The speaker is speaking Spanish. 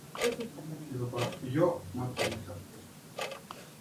Cultivó la literatura profesional en varios periódicos y revistas.